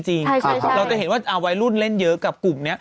เราจะเห็นว่าวัยรุ่นเล่นเยอะกับกลุ่มนี้